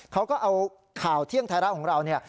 เขาก็เอาข่าวเที่ยงไทยรัฐของเราเนี่ย